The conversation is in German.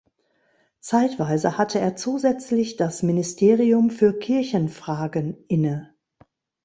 Zeitweise hatte er zusätzlich das Ministerium für Kirchenfragen inne.